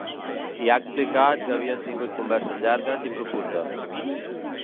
I ha explicat que havien tingut converses llargues i profundes.